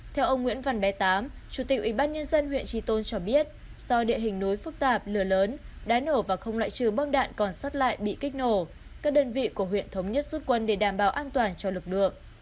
theo ông nguyễn văn bé tám chủ tịch ủy ban nhân dân huyện trì tôn cho biết do địa hình núi phức tạp lửa lớn đá nổ và không loại trừ bong đạn còn xót lại bị kích nổ các đơn vị của huyện thống nhất rút quân để đảm bảo an toàn cho lực lượng